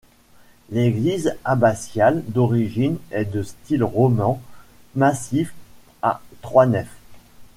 L'église abbatiale d'origine est de style roman massif à trois nefs.